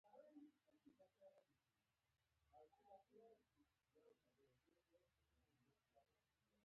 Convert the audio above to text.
چا راته وویل یوه کوڅه وړاندې بل دوکان دی.